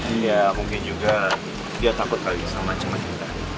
iya mungkin juga dia takut kali sama kita